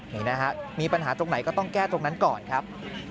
นี่นะฮะมีปัญหาตรงไหนก็ต้องแก้ตรงนั้นก่อนครับ